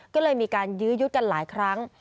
ก็เลยมีการยื้อยุดกันหลายครั้ง